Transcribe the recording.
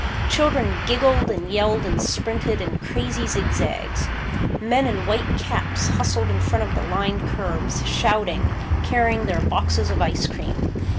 Children giggled and yelled and sprinted in crazy zig zags. Men in white caps hustled in front of the lined curbs, shouting, carrying their boxes of ice cream.